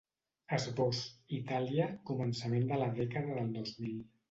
Esbós: Itàlia, començament de la dècada del dos mil.